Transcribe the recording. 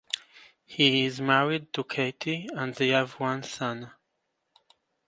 He is married to Katey and they have one son.